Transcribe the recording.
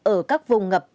ở các vùng ngập